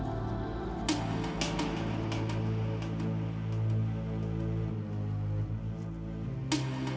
maka yang pentingnya punya masa yang lebih mengerjakan orang lain